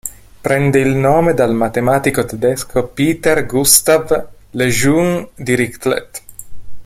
Prende il nome dal matematico tedesco Peter Gustav Lejeune Dirichlet.